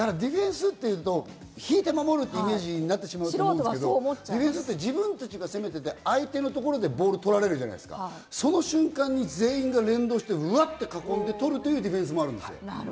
ディフェンスというと、ひいて守るイメージになってしまうと思いますけど、自分たちが攻めていて相手のところでボールを取られるじゃないですか、その瞬間に全員が連動して、うわっと囲んで取るというディフェンスもあるんです。